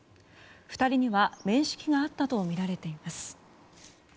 ２人には面識があったとみられています。